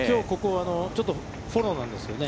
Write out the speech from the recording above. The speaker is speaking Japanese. きょうここはフォローなんですよね。